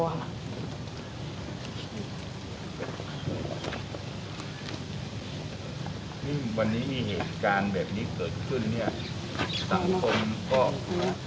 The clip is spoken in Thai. วันนี้มีเหตุการณ์แบบนี้เกิดขึ้นเนี่ย